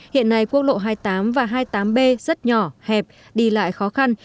hiện nay quốc lộ hai mươi tám và hai mươi tám b rất nhỏ hẹp đi lại khó khăn